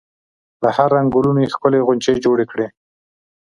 له هر رنګ ګلونو یې ښکلې غونچې جوړې کړي.